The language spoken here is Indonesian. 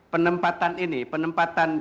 penempatan ini penempatan